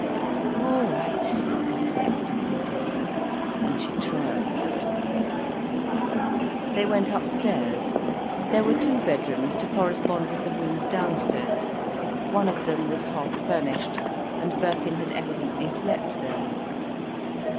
"All right," he said, defeated, and she triumphed. They went upstairs. There were two bedrooms to correspond with the rooms downstairs. One of them was half furnished, and Birkin had evidently slept there.